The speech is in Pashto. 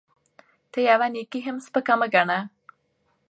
ته يوه نيکي هم سپکه مه ګڼه